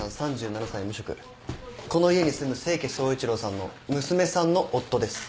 この家に住む清家総一郎さんの娘さんの夫です。